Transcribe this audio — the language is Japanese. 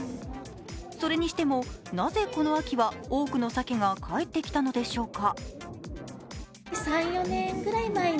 それにしても、なぜこの秋は多くのさけが帰ってきたのでしょうか。